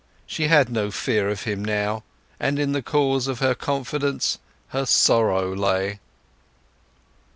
She had no fear of him now, and in the cause of her confidence her sorrow lay.